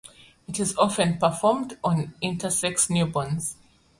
It is often performed on intersex newborns.